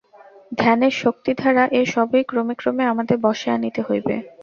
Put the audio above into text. ধ্যানের শক্তিদ্বারা এ-সবই ক্রমে ক্রমে আমাদের বশে আনিতে হইবে।